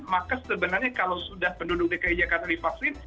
maka sebenarnya kalau sudah penduduk dki jakarta divaksin